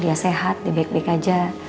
dia sehat dia baik baik aja